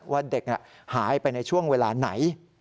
ว่าเด็กหายไปในช่วงเวลาไหน